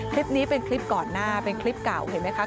คลิปนี้เป็นคลิปก่อนหน้าเป็นคลิปเก่าเห็นไหมคะ